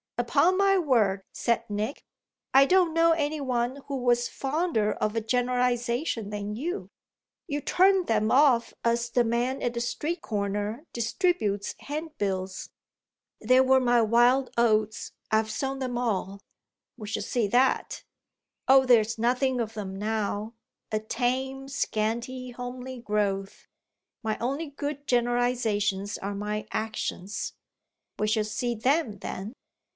"Upon my word," said Nick, "I don't know any one who was fonder of a generalisation than you. You turned them off as the man at the street corner distributes hand bills." "They were my wild oats. I've sown them all." "We shall see that!" "Oh there's nothing of them now: a tame, scanty, homely growth. My only good generalisations are my actions." "We shall see them then."